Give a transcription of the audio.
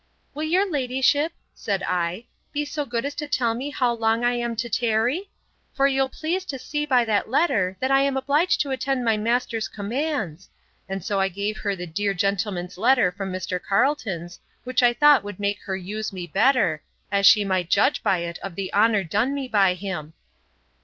—Will your ladyship, said I, be so good as to tell me how long I am to tarry? For you'll please to see by that letter, that I am obliged to attend my master's commands. And so I gave her the dear gentleman's letter from Mr. Carlton's, which I thought would make her use me better, as she might judge by it of the honour done me by him.